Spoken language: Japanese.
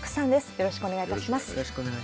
よろしくお願いします。